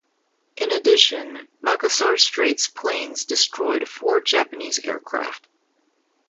In addition, "Makassar Strait"'s planes destroyed four Japanese aircraft.